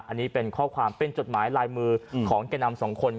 อันนี้เป็นข้อความเป็นจดหมายลายมือของแก่นำสองคน